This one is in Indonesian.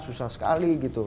susah sekali gitu